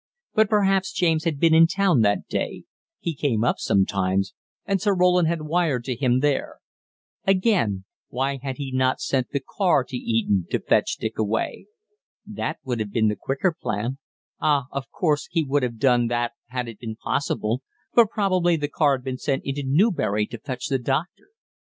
But perhaps James had been in town that day he came up sometimes and Sir Roland had wired to him there. Again, why had he not sent the car to Eton to fetch Dick away? That would have been the quicker plan; ah, of course he would have done that had it been possible, but probably the car had been sent into Newbury to fetch the doctor.